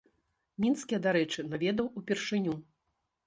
Мінск, я, дарэчы, наведаў упершыню.